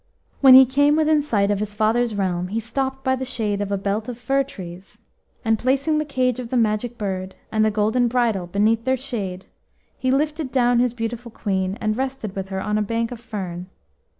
When he came within sight of his father's realm, he stopped by the shade of a belt of fir trees, and placing the cage of the Magic Bird and the golden bridle beneath their shade, he lifted down his beautiful Queen, and rested with her on a bank of fern.